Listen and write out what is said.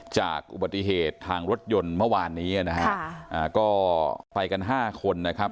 จากอุบัติเหตุทางรถยนต์เมื่อวานนี้นะฮะก็ไปกันห้าคนนะครับ